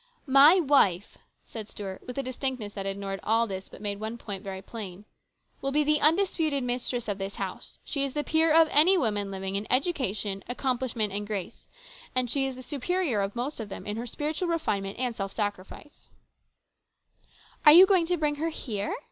" My wife," said Stuart with a distinctness that ignored all this, but made one point very plain, " will be the undisputed mistress of this house. She is the peer of any woman living in education, accomplish ment, and grace ; and she is the superior of most of them in her spiritual refinement and self sacrifice." 256 HIS BROTHER'S KEEPER. " Are you going to bring her here